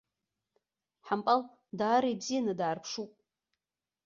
Ҳампал даара ибзианы даарԥшуп.